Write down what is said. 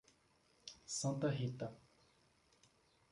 Santa Rita